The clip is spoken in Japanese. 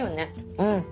うん。